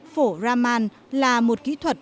phổ raman là một kỹ thuật